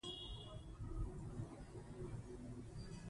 له ټیکنالوژۍ کار واخلئ.